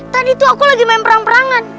tadi tuh aku lagi main perang perangan